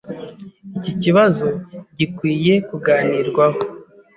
Iki kibazo gikwiye kuganirwaho.